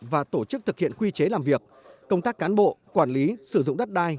và tổ chức thực hiện quy chế làm việc công tác cán bộ quản lý sử dụng đất đai